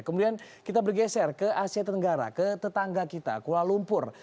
kemudian kita bergeser ke asia tenggara ke tetangga kita kuala lumpur